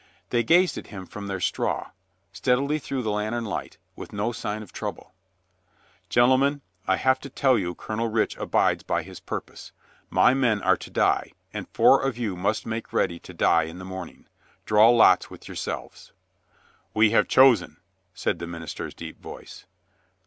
They gazed at him from their straw, steadily through the lantern light, with no sign of trouble. "Gentlemen, I have to tell you Colonel Rich abides by his purpose. My men are to die, and four of you must make ready to die in the morning. Draw lots with yourselves." "We have chosen," said the minister's deep voice.